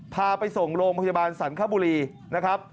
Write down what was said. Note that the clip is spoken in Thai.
พาไปส่งโรงพยาบาลสรรคบุรีนะครับ